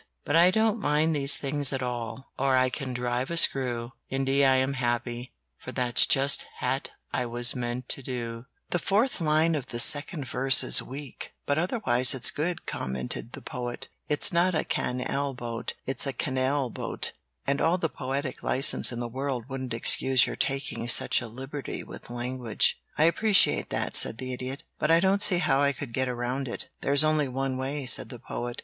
"But I don't mind these things at all, For I can drive a screw, And I am happy, for that's just What I was meant to do." [Illustration: "'I SHOULD HESITATE TO TRY TO WRITE A CAN AL BOAT'"] "The fourth line of the second verse is weak, but otherwise it's good," commented the Poet. "It's not a can al boat; it's a can al boat, and all the poetic license in the world wouldn't excuse your taking such a liberty with language." "I appreciate that," said the Idiot. "But I don't see how I could get around it." "There's only one way," said the Poet.